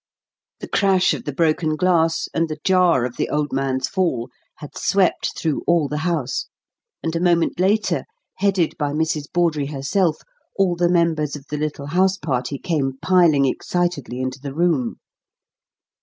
The crash of the broken glass and the jar of the old man's fall had swept through all the house, and a moment later, headed by Mrs. Bawdrey herself, all the members of the little house party came piling excitedly into the room.